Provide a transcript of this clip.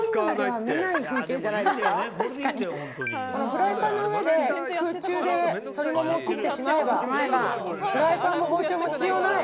フライパンの上で空中で鶏ももを切ってしまえばフライパンも包丁も必要ない。